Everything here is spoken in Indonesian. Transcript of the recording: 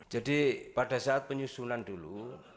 jadi pada saat penyusunan dulu